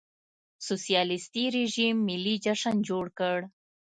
سوسیالېستي رژیم ملي جشن جوړ کړ.